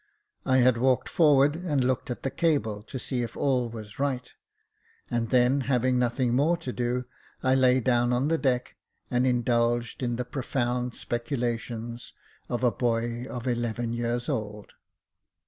I had walked forward and looked at the cable to see if all was right, and then having nothing more to do, I lay down on the deck, and indulged in the profound speculations of Jacob Faithful 9 a boy of eleven years old.